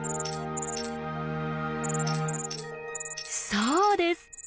そうです！